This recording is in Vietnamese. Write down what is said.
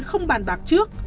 không bàn bạc trước